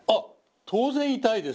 当然痛いです。